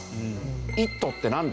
「イットってなんだ？」